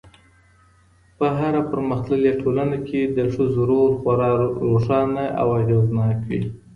په هره پرمختللې ټولنه کي د ښځو رول خورا روښانه او اغېزناک وي